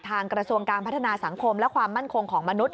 กระทรวงการพัฒนาสังคมและความมั่นคงของมนุษย